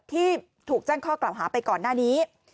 ที่ถูกแจ้งข้อกล่าวหาไปก่อนหน้านี้